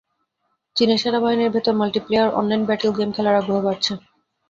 চীনের সেনাবাহিনীর ভেতর মাল্টিপ্লেয়ার অনলাইন ব্যাটল গেম খেলার আগ্রহ বাড়ছে।